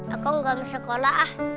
aku nggak mau sekolah